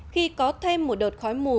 khi có thêm một đợt khói mù